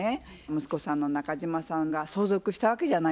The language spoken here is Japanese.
息子さんの中島さんが相続したわけじゃないですか。